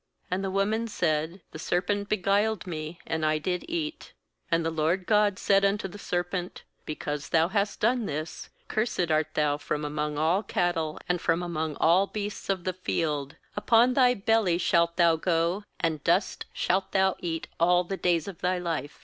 And the woman said: 'The serpent be guiled me, and I did eat/ 14And the LORD God said unto the serpent: 'Because thou hast done this, cursed art thou from among all cattle, and from among all beasts of the field; upon thy belly shalt thou go, and dust shalt thou eat all the days of thy life.